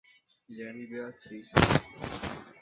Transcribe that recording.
Guilherme e Beatriz